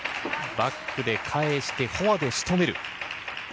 バックで返してフォアで仕留める。